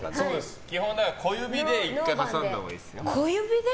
基本、小指で１回挟んだほうがいいです。